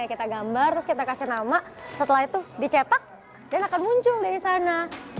kita gambar terus kita kasih nama setelah itu dicetak dan akan muncul dari sana